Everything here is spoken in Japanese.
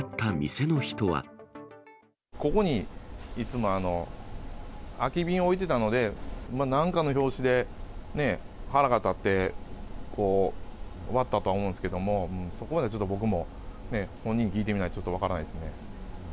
ここにいつも空き瓶を置いてたので、なんかの拍子で、腹が立って、割ったとは思うんですけども、そこまでちょっと僕も、本人に聞いてみないとちょっと分からないですね。